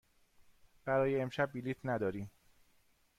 برای امشب بلیط نداریم.